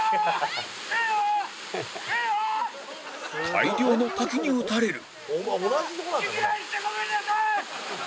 大量の滝に打たれる